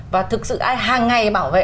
và thực sự ai hàng ngày bảo vệ